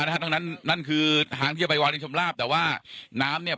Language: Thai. ทั้งนั้นนั่นคือทางที่จะไปวารินชำลาบแต่ว่าน้ำเนี่ย